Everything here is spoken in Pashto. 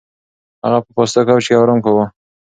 هغه په پاسته کوچ کې ارام کاوه.